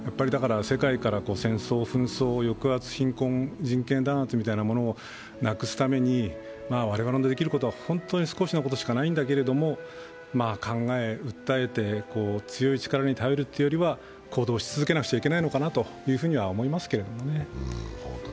世界からやっぱり戦争、紛争、抑圧、貧困、人権弾圧みたいなものをなくすために、我々のできることは本当に少しのことしかないんだけれども考え、訴えて強い力に頼るというよりは行動し続けなきゃいけないとは思いますけどね。